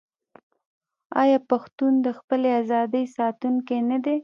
آیا پښتون د خپلې ازادۍ ساتونکی نه دی؟